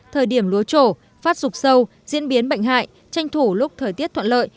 thời điểm lúa trổ phát rục sâu diễn biến bệnh hại tranh thủ lúc thời tiết thuận lợi